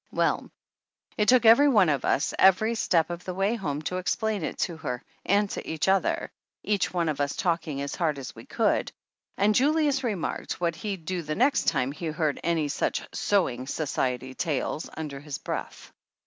Well, it took every one of us every step of the way home to explain it to her and to each other, each one of us talking as hard as we could ; and Julius remarked what he'd do the next time he heard any such "sewing society tales" under his breath.